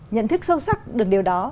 nhận thức sâu sắc được điều đó